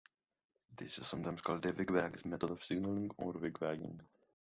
This is sometimes called the "wig-wag" method of signaling, or "wig-wagging".